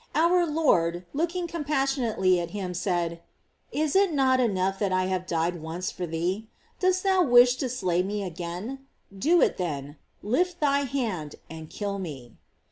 Our Lord, looking compassionately at him, said: "Is it not enough that I have died once for thee? Dost thou wish to slay me again? Bo it, then; lift thy hand and kill me!"